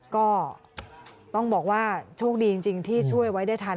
ก็ต้องบอกว่าโชคดีจริงที่ช่วยไว้ได้ทัน